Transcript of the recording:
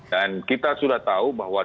dan kita sudah tahu bahwa